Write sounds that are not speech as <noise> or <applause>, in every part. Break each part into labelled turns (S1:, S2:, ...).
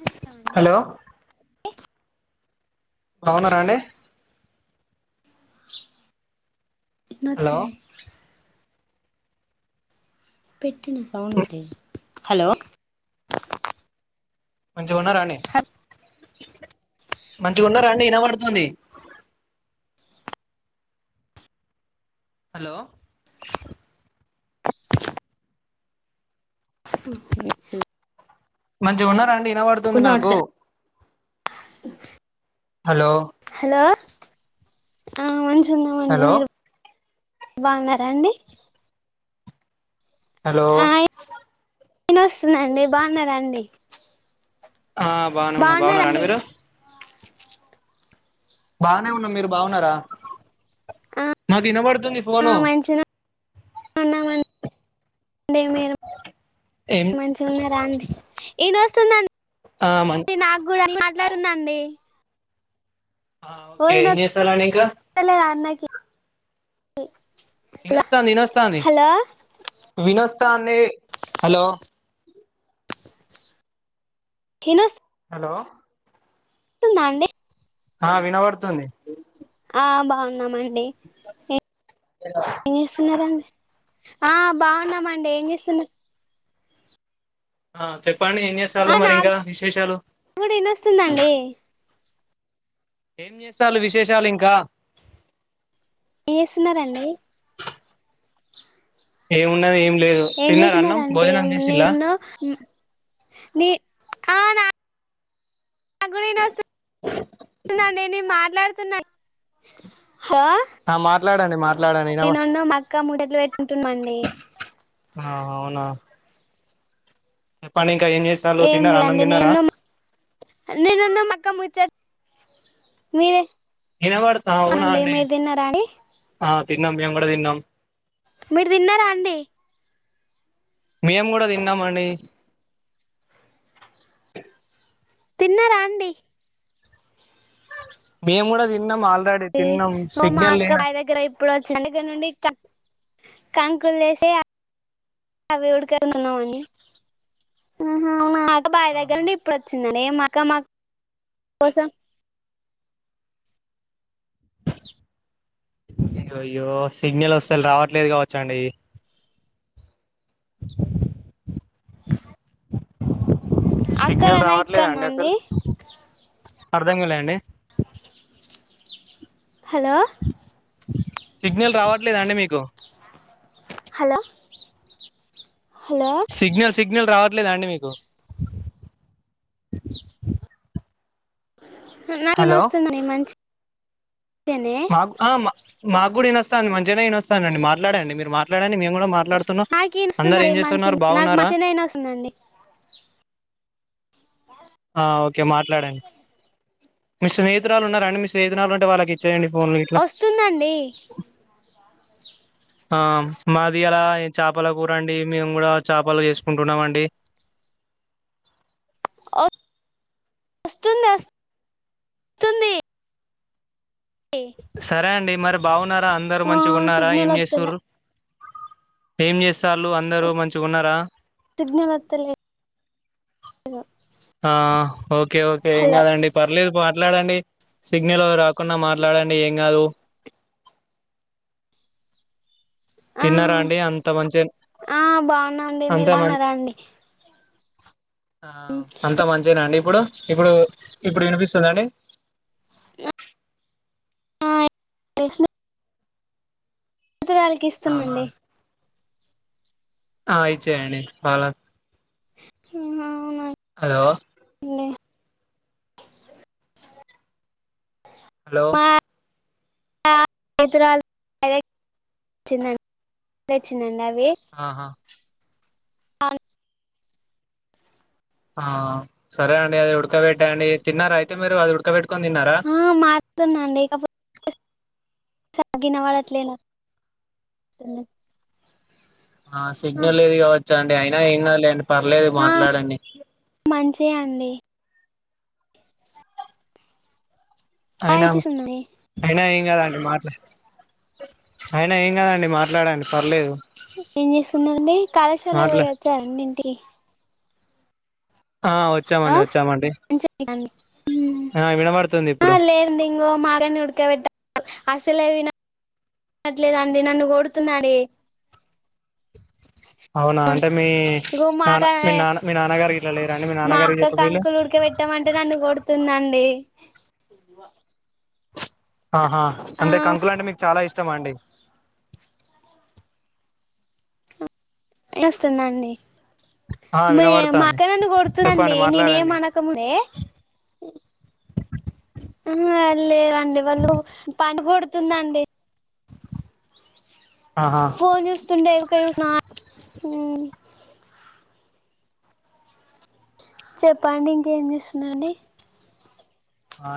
S1: వస్తం అండి
S2: హలో బావున్నారా అండి హలో
S1: <unintelligible> <unintelligible> హలో
S2: మంచిగా ఉన్నారా అండి మంచిగా ఉన్నారండి వినపడుతుంది హలో
S1: ఉ హూ హూ
S2: మంచిగున్నార అండి ఇనపడుతుంది
S1: జ
S2: నాకు హలో
S1: హలో ఆ మంచిగున్నామండి
S2: హలో
S1: మీరు బాగున్నారాండి
S2: హలో
S1: ఆ ఇనస్తుందండి బాగున్నరండి
S2: ఆ బానే ఉన్నా బాగున్నరా అండి
S1: బాగున్నారండి
S2: బాగనే ఉన్నా మీరు బాగున్నారా
S1: ఆ
S2: మాది వినబడుతుంది
S1: ఆ
S2: ఫోను
S1: మంచిగనే డి మీరు
S2: ఏం
S1: మంచి ఉన్నారా అండి
S2: ఆ మం
S1: ఇనస్తుందండి నాకు కూడా మాట్లాడుతునండి
S2: ఆ
S1: ఓ
S2: ఓకే ఏం చేస్తాలండి ఇంకా
S1: ఇనత్త లేదు ఆ అన్నకి
S2: ఇనస్తంది ఇనస్తంది
S1: హలో
S2: వినస్తాంది హలో
S1: తినస్
S2: హలో
S1: తిన్న అండి
S2: ఆ వినబడుతుంది
S1: ఆ బాగున్నామండి ఏ ఏం చేస్తున్నరండి ఆ బాగున్నామండి ఏం చేస్తున్నరు
S2: ఆ చెప్పండి ఏం జెసలు
S1: ఆ
S2: మరి ఇంకా
S1: నాకు
S2: విశేషాలు
S1: కూడా ఇనొస్తుందండి
S2: ఏం చేస్తాలు విశేషాలు ఇంకా
S1: స్తున్నరండి
S2: ఏం ఉన్నది ఏం లేదు
S1: ఏం
S2: తిన్నార అన్నం
S1: చేసున్నారండి
S2: భోజనం
S1: ఏం
S2: చేసిల్లా
S1: నేను నీ ఆ నాకు కూడా ఇనస్తుందండి నే మాట్లాడుతున్నా అండీ హో
S2: ఆ మాట్లాడండి మాట్ ట్లాడండి ఇనవ
S1: మా అక్క ముచ్చట్లు పెట్టుకుంటున్నాండి
S2: ఆ అవునా చెప్పండి ఇంకా ఏం చేస్తాలు
S1: ఏం
S2: తిన్నారా
S1: లే
S2: అన్నం
S1: అండి
S2: తిన్నారా
S1: నేను నేనున్న మగ్ ఒక ముచ్చట్ మీరే
S2: ఇనవడుతా అవునా
S1: అండి
S2: అడి
S1: మీరు తిన్నారా అండి
S2: ఆ తిన్నం మేము కూడా తిన్నాం
S1: మీరు తిన్నారా అండి
S2: మేము కూడా తిన్నామండి
S1: తిన్నరా అండి
S2: మేము కూడా తిన్నాం ఆల్రెడీ తిన్నాం
S1: ఓ మా
S2: సిగ్నల్
S1: అక్క
S2: లేనా
S1: బావి దగ్గర ఇప్పుడు వచ్చిన దగ్గర నుండి క కంకులు దేసే అ అవి ఉడక అన్నం అండీ ఆహా అవునా బావి దగ్గర నుండి ఇప్పుడు వచ్చిందండి ఇగ మాక్క మా కోసం
S2: అయ్యయ్యో సిగ్నల్ అసల్ రావట్లేదు కావచ్చా అండి సిగ్నల్
S1: అక్కడనా ఇక్కడనా
S2: రావట్లేదండి అసలు
S1: అండి
S2: అర్ధం కలేండి
S1: హలో
S2: సిగ్నల్ రావట్లేద అండీ మీకు
S1: హలో హలో
S2: సిగ్నల్ సిగ్నల్ రావట్లేదాండి మీకు హలో
S1: నాకినోస్తుందండి మంచిగ
S2: మాకు ఆ మా మాకు కూడా ఇనస్తదండి మంచిగనే ఇనస్తందండి మాట్లాడండి మీరు మాట్లాడండి మేము కూడా మాట్ మాట్లాడుతున్నా
S1: నాకి
S2: అందరు
S1: ఇనొస్తుందండి
S2: ఏం
S1: మంచి
S2: చేస్తున్నారు
S1: నాకు
S2: బాగున్నారా
S1: మంచిగనే ఇనొస్తుందండి
S2: ఆ ఓకే మాట్లాడండి మీ స్నేహతురాలు ఉన్నారండి మీ స్నేహితురాలు ఉంటే వాళ్ళకి చేయడి పోన్ వీట్ల
S1: వస్తుందండి
S2: ఆ మాది అలా చేపల కూరండి మేము కూడా చేపలు చేసుకుంటున్నాం అండి
S1: ఓ వస్తుంది వస్తుంది
S2: సరే అండి మరి బాగున్నారా అందరూ
S1: ఆ
S2: మంచిగా ఉన్నారా ఏం
S1: సిగ్నల్ వత్తలే
S2: చేస్తూరు ఏం చేస్తళు అందరు మంచిగా ఉన్నార
S1: సిగ్న వాత్తలే
S2: ఆ ఓకే ఓకే ఏం కదండి పర్లేదు మాట్లాడండి సిగ్నల్ రాకుండా మాట్లాడండి ఏం కాదు
S1: ఆ
S2: తిన్నారా అండి అంత మంచి
S1: ఆ బాగున్నా అండి
S2: అంత
S1: మీరు
S2: మంచి
S1: బాగున్నారా అండి
S2: ఆ అంత మంచిగానండి ఇప్పుడు ఇప్పుడు ఇప్పుడు వినిపిస్తుందండి
S1: <inaudible> ఇతరాలకి
S2: ఆహా
S1: ఇస్తుందండి
S2: ఆ అయిచయని వాళ హలో
S1: ఏందీ
S2: హలో
S1: <inaudible>
S2: ఆహా
S1: అవును
S2: ఆ సరే అండి అది ఉడకబెట్టా అండి తిన్నరా అయితే మీరు అది ఉడకబెట్
S1: ఆ మారుతునండి ఇకపో వినబడట్లే నాకు
S2: ఆ సిగ్నల్ ఏది కావచ్చా అండి అయినా ఏ కా లేండి పర్లేదు మాట్లాడండి
S1: మంచి అండి ఆ
S2: అయినా
S1: వినిపిస్తుందండి
S2: అయినా మాట్లా అయినా ఏం కదండి మాట్లాడండి పర్లేదు
S1: ఏం చేస్తుందండి కాళాశాల
S2: మాట్లా
S1: పోయొచ్చారండి ఇంటికి
S2: ఆ
S1: ఆ
S2: వచ్చామండి వచ్చామండి
S1: హ్మ్
S2: ఆ వినబడుతుంది
S1: ఆ
S2: ఇప్పుడు
S1: లేదు అంది ఇంకో మగని ఉడుక వెట్ట అసలేవిట్లేదండి నన్ను కోడుతున్నాడే
S2: అవునా అంటే మీ
S1: ఇగో మా
S2: నాన్న
S1: అక్క
S2: మీ నాన్న మీ నాన్నగారు గిట్ల లేరుండి మీ నాన్నగారు చెప్ప వీళ్ళు
S1: కొడుతుదండి
S2: ఆహా అంటే కంకులు అంటే మీకు చాలా ఇష్టంమా అండి
S1: ఇష్టమే అండి
S2: ఆ
S1: మ మా
S2: వినబడతాంది
S1: అక్క నన్ను కొడుతుందిండి
S2: చెప్పండి
S1: నేను ఏం
S2: మాట్లాడండి
S1: అనక ముందే హు హు లేరండి వాళ్ళు పని పడుతుందండి
S2: ఆహా
S1: ఫోన్ చూస్తుండే ఊకె చూసినా హ్మ్ చెప్పండి ఇంకేం చేస్తున్నాండి.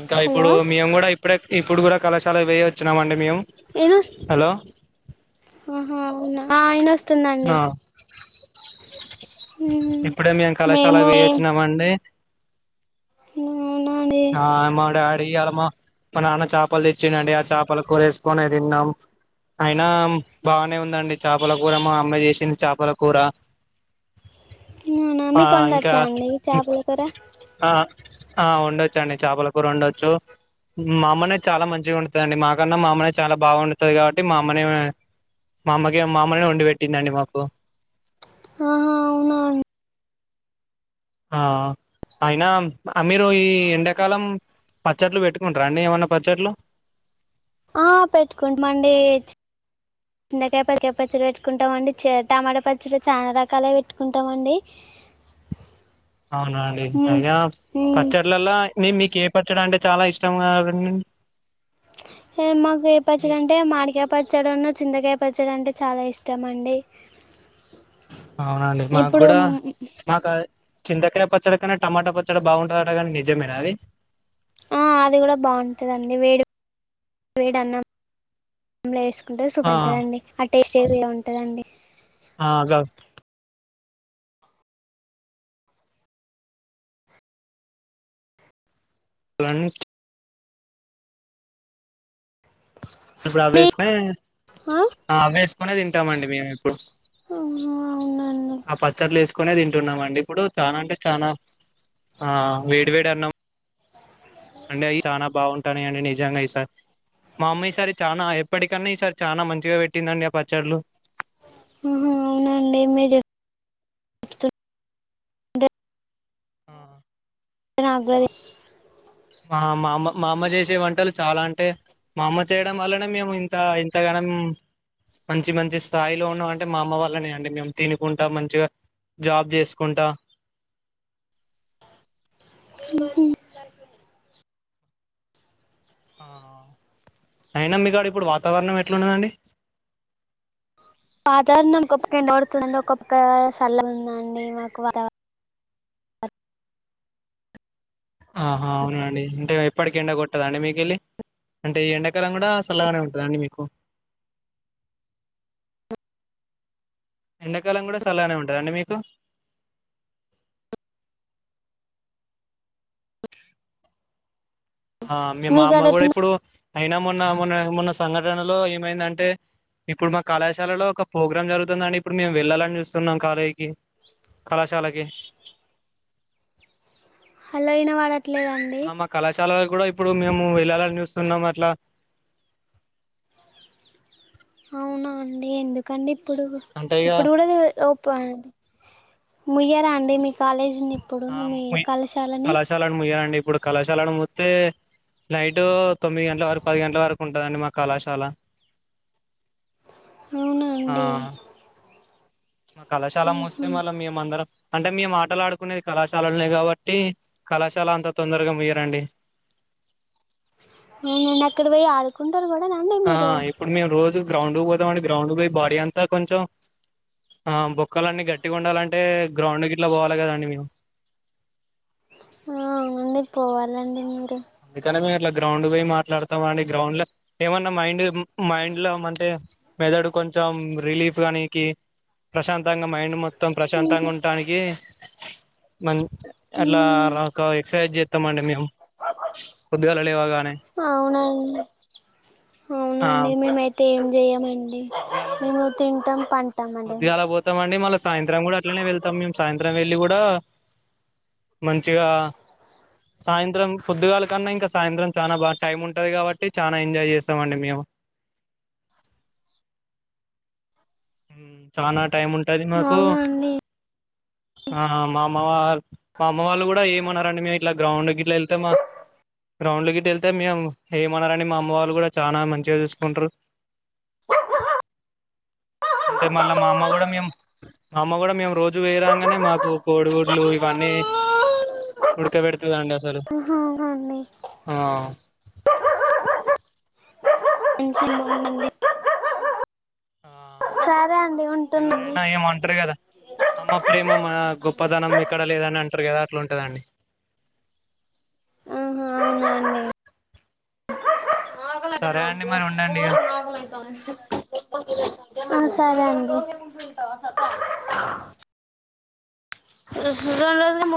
S2: ఇంకా ఇప్పుడు మేము కూడా ఇప్పుడే ఇప్పుడు కూడా కళాశాల పోయి వచ్చినాం అండి మేము హలో
S1: హ హ అవునా మా ఆయన వస్తుందండి
S2: ఆ ఇప్పుడే మేము కళాశాల వేయొచ్చినామండి.
S1: అవునా అండి
S2: ఆ మా డాడ ఇయ్యాల మా నాన్న చేపలు తెచ్చిండి ఆ చేపలు కూరేసుకొని తిన్నాం. అయినా బానే ఉందండి చేపల కూర మా అమ్మాయి చేసింది చేపల కూర
S1: అవునా
S2: ఆ
S1: మీకు
S2: ఇంకా
S1: వండొచ్చా అండి చేపల కూర
S2: ఆ ఆ ఉండ చ్చండి చాపలా కూరొండచ్చు మా అమ్మ నే చాలా మంచిగ వండుతదండి, మాకన్నా మా అమ్మనే చాలా బాగా వండుతది గాబట్టి మా అమ్మనే మా అమ్మకిగ మా అమ్మనే వండి పెట్టిందండి మాకు
S1: ఆహా అవునా అన్
S2: ఆ అయినా మీరు ఈ ఎండాకాలం పచ్చడ్లు పెట్టుకుంటార అండి ఏమన్న పచ్చడ్లు?
S1: ఆ పెట్టుకుంట మండి చింతకాయ పచ్చడి పెట్టుకుంటామండి చ టమాట పచ్చడి చానా రకాలుగ పెట్టుకుంటామండి.
S2: అవునా అండి, అయినా పచ్చడ్లల్ల మేన్ మీకే పచ్చడ అంటే చాలా ఇష్టంగా డండండీ
S1: హే మాకు ఏ పచ్చడంటే మాడికాయ పచ్చడున్ను చింతకాయ ప్ పచ్చడ అంటే చాలా ఇష్టంమండి
S2: అవునా అండి మాగ్గూడా మాకై చింతకాయ పచ్చడ కన్న టమాటా పచ్చడ బాగుంటదట కనీ నిజమేనా అది?
S1: ఆ అది గుడ బావుంటదండి వేడి వేడన్నమ్ లేస్ కుంటే
S2: ఆ
S1: సూపర్ ఉంటదండి ఆ టేస్టే వేరె ఉంటదండి.
S2: ఆ జాగ్ లన్నీ ఇప్పుడవ్వేసుకునే
S1: ఆ ఆహా
S2: అవ్వేసుకునే తింటామండి మేమిప్పుడు
S1: అవునండి
S2: ఆ పచ్చడ్లేసుకునే తింట్ తున్నమండి ఇప్పుడు చాన అంటే చానా ఆ వేడి వేడి అన్నం అండె అయ్యి చానా బావుంటానయండి నిజంగా ఈ సారీ మా అమ్మ ఈసారి చానా ఎప్పటికన్న ఈసారి చానా మంచిగా పెట్టిందండి ఆ పచ్చళ్లు.
S1: అహా అవునా అండి మిర్జెప్
S2: ఆ
S1: నాగ్గుడ దిన్
S2: ఆ మా అమ్మ మా అమ్మ చేసే వంటలు చాలా అంటే మా అమ్మ చేయడం వల్లనే మేము ఇంత ఇంతగనం మంచి మంచి స్థాయిలో ఉన్న అంటే మా అమ్మ వాళ్ళనే అండి, మేము తినుకుంట మంచిగా జాబ్ జేసుకుంటా ఆ ఆ అయినా మీ కాడ ఇప్పుడు వాతావరణం ఎట్లున్న దండి.
S1: వాతావరణం ఒక పక్క ఎండ గొడుతుంది ఒక పక్క సల్లగుందండి మాకు వాతావరణం
S2: ఆహా అవునా అండి అంటే ఎప్పడికి ఎండ గొట్టదా అండి మీకెళ్ళి అంటే ఎండాకాలం గూడా సల్లగనే ఉంటుందా అండి మీకు? ఎండాకాలం గూడ సల్లగనే ఉంటదా అండి మీకు ఆ మి
S1: మీ
S2: మా అమ్మ
S1: కాడ
S2: గూడ
S1: ఎట్లుంది
S2: ఇప్పుడు అయినా మొన్న మొన్న మొన్న సంఘటనలో ఏమైందంటే ఇప్పుడు మా కళాశాలలో ఒక ప్రోగ్రామ్ జరుగుతుందండి ఇప్పుడు మేము వెళ్ళాలని జూస్తున్నాం కాలేజ్ కి కళాశాలకి
S1: అల్ల ఇనబడట్
S2: ఆ మా కళాశాలల గూడ ఇప్ ఇప్పుడు మేము వెళ్ళాలన్ జూస్తున్నము అట్లా
S1: అవునా అండి ఎందుకండిప్పుడు
S2: అంటే ఇగ
S1: ఇప్పుడు గూడ దే ఓపండి ముయ్యరా అండి మీ కాలేజ్ ని
S2: ఆ ము ముయ్ కళాశాలను ముయరండి ఇప్పుడు కళాశాలను మూత్తే నైట్ తొమ్మిది గంటల వరకు పది గంటల వరకు ఉంటదండి మా కళాశాల
S1: అవునా
S2: ఆ
S1: అండి
S2: మా కళాశాల మూస్తే
S1: ఉహు
S2: మళ్ళ మేమందరం అంటే మేము ఆటలాడుకునేది కళాశాలల్నే కాబట్టి కళాశాల అంతా తొందరగా ముయ్యరండి
S1: అవునా అండి అక్కడబోయి ఆడుకున్
S2: ఆ ఇప్పుడు మేము రోజు గ్రౌండ్ పోతాం అండి. గ్రౌండ్ పోయి బాడీ అంతా కొంచెం ఆ బొక్కలున్నీ గట్టిగా ఉండాలంటే గ్రౌండ్ ఇట్లా పోవాలి కదండి మేము.
S1: ఆ అవునండి, పోవాలండి.
S2: నేను కనుగొనేదట్ల గ్రౌండ్ పోయి మాట్లాడతామండి. గ్రౌండ్ లో ఏమన్నా మైండ్ మైండ్ లో మంటే మెదడు కొంచెం మొత్తం రిలీఫ్ కానికి, ప్రశాంతంగా మైండ్ మొత్తం
S1: ఉహు
S2: ప్రశాంతంగా ఉండటానికి. మ అట్లా ఒక ఎక్సర్సైజ్ చేస్తామండి మేము. పొద్దుగాల లేవగానే
S1: అవునండి
S2: ఆ
S1: అవునండి, మేమయితే ఏం చెయ్యమండి.
S2: పొద్దుగాల
S1: అండి మేము తింటాం పంటాం అండి.
S2: పొద్దుగాల పోతామండి మళ్ళీ సాయంత్రం కూడా అట్లానే వెళ్తాం మేము. సాయంత్రం వెళ్ళి కూడా మంచిగా సాయంత్రం పొద్దుగాల కన్నా ఇంకా సాయంత్రం చాలా బాగా టైమ్ ఉంటది కాబట్టి, చాలా ఎంజాయ్ చేస్తామండి మేము. చాలా టైం ఉంటది మాకు
S1: అవునా అండి
S2: ఆ మా అమ్మ వా మా అమ్మ వాళ్ళు కూడా ఏమన్నారండి. మే ఇట్లా గ్రౌండ్ ఇట్లా వెళ్తే మా గ్రౌండ్కి వెళ్తే, మేము ఏమనరు మా అమ్మ వాళ్ళు కూడా, చాలా మంచిగా చూసుకుంటారు. అంటే మళ్ళా మా అమ్మ కూడా మేము మా అమ్మ కూడా మేము రోజు పోయరాంగానే, మాకు కోడిగుడ్లు ఇవన్నీ ఉడకబెడుతుందండి అసలు
S1: నీ
S2: ఆ <inaudible>
S1: మంచిగా ఉందండి
S2: ఆ
S1: సరే అండి ఉంటున్నాండి
S2: ఎవరైనా ఏమ అంటారు కదా? అమ్మ ప్రేమ గొప్పతనం ఎక్కడ లేదని అంటారు కదా? అట్లా ఉంటాదాండి.
S1: ఆహా అవునా అండి
S2: సరే అండి మరి ఉండండి ఇగ
S1: <unintelligible> ఆ సరే అండి. <unintelligible>